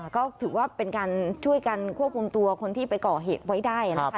ก็ถือว่าเป็นการช่วยกันควบคุมตัวคนที่ไปก่อเหตุไว้ได้นะคะ